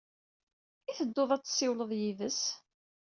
I teddud ad tessiwled yid-s?